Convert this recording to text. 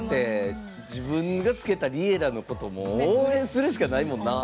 自分が付けたＬｉｅｌｌａ！のこと応援するしかないもんな。